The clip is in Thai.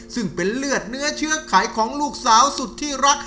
ซึ่งเป็นเลือดเนื้อเชื้อไขของลูกสาวสุดที่รัก